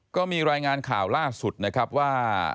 ก็มีรายงานข่าวล่าสุดนะครับว่า